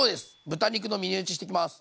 豚肉の峰打ちしていきます。